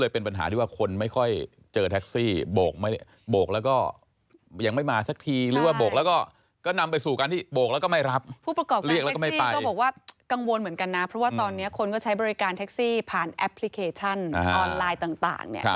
เพราะตอนนี้คนก็ใช้บริการแท็กซี่ผ่านแอปพลิเคชั่นออนไลน์ต่าง